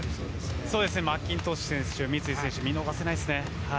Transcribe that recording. マッキントッシュ選手三井選手、見逃せないですね。